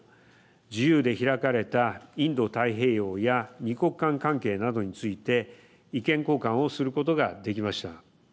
自由で開かれたインド太平洋や二国間関係などについて意見交換をすることができました。